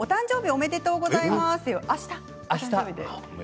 ありがとうございます。